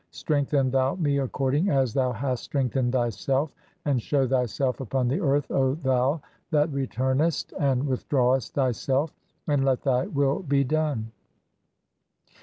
Strengthen thou me according as "thou hast strengthened thyself, (9) and shew thyself upon earth, "O thou that returnest and withdrawest thyself, and let thy will "be done."